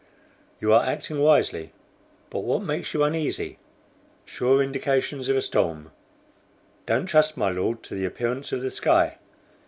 "You are acting wisely; but what makes you uneasy?" "Sure indications of a storm. Don't trust, my Lord, to the appearance of the sky.